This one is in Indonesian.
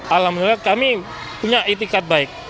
alhamdulillah kami punya itikat baik